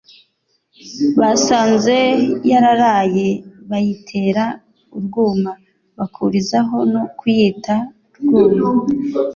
basanze yararaye bayitera urwuma bakurizaho no kuyita “Rwuma”